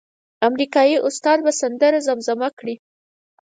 امریکایي استاد به سندره زمزمه کړي.